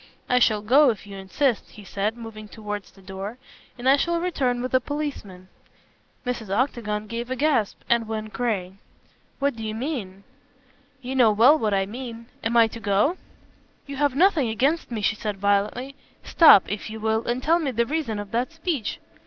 "I shall go if you insist," he said, moving towards the door, "and I shall return with a policeman." Mrs. Octagon gave a gasp and went gray. "What do you mean?" "You know well what I mean. Am I to go?" "You have nothing against me," she said violently, "stop, if you will, and tell me the reason of that speech."